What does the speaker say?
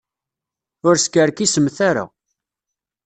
Ur skerkisemt ara.